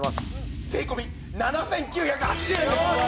税込７９８０円です！